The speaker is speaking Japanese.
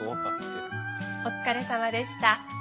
お疲れさまでした。